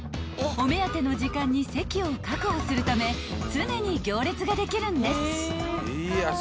［お目当ての時間に席を確保するため常に行列ができるんです］